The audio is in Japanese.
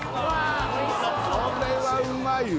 これはうまいわ。